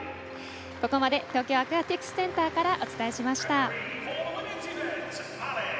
ここまで東京アクアティクスセンターからお伝えしました。